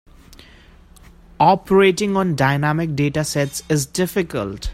Operating on dynamic data sets is difficult.